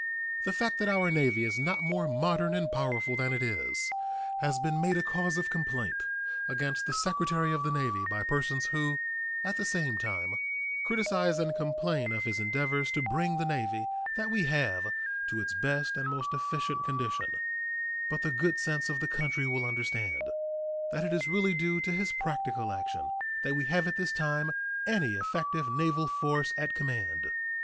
The fact that our Navy is not more modern and powerful than it is has been made a cause of complaint against the Secretary of the Navy by persons who at the same time criticise and complain of his endeavors to bring the Navy that we have to its best and most efficient condition; but the good sense of the country will understand that it is really due to his practical action that we have at this time any effective naval force at command.